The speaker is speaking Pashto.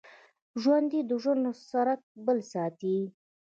ژوندي د ژوند څرک بل ساتي